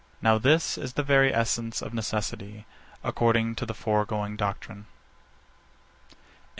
Now this is the very essence of necessity, according to the foregoing doctrine. 73.